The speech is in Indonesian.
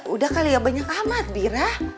udah kali ya banyak amat bira